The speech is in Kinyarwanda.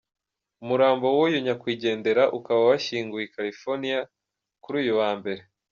Umurambo w’uyu nyakwigendera ukaba washyinguwe I California kuri uyu wa mbere.